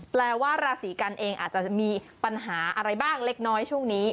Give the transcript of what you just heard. แปลว่าราศีกันเองอาจจะมีปัญหาอะไรบ้างเล็กน้อยช่วงนี้